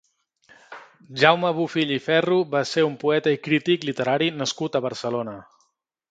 Jaume Bofill i Ferro va ser un poeta i crític literari nascut a Barcelona.